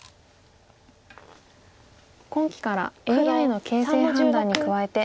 今期からＡＩの形勢判断に加えて。